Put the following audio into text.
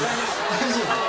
大丈夫？